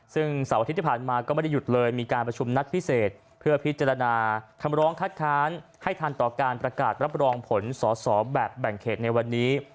ซึ่งเสาร์อาทิตย์ที่ผ่านมาก็ไม่ได้หยุดเลยมีการประชุมนัดพิเศษเพื่อพิจารณาคำร้องคัดค้านให้ทันต่อการประกาศรับรองผลสอสอแบบแบ่งเขตในวันนี้